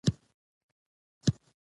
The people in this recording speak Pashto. د دې حیوان پوستکی ارزښت لري.